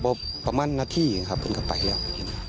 เพราะว่าประมาณนาทีครับมันกลับไปแล้ว